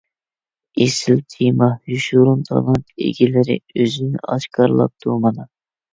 ئېسىل تېما! يوشۇرۇن تالانت ئىگىلىرى ئۆزىنى ئاشكارىلاپتۇ مانا.